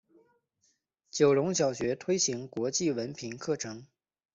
九龙小学推行国际文凭课程。